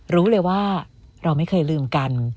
รู้เลยว่าเราไม่เคยลืมกัน